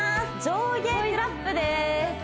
上下クラップです